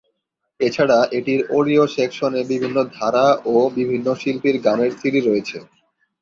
এছাড়া এটির অডিও সেকশনে বিভিন্ন ধারা ও বিভিন্ন শিল্পীর গানের সিডি রয়েছে।